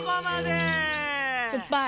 すっぱい。